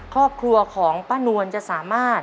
ครอบครัวของป้านวลจะสามารถ